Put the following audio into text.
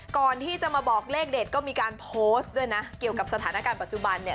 ก่อนที่จะมาบอกเลขเด็ดก็มีการโพสต์ด้วยนะเกี่ยวกับสถานการณ์ปัจจุบันเนี่ย